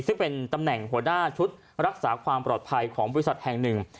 ซึ่งเป็นตำแหน่งหัวหน้าชุดรักษาความปลอดภัยของบริษัทแห่งหนึ่ง